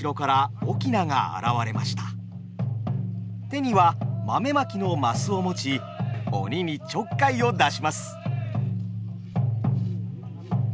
手には豆まきの升を持ち鬼にちょっかいを出します。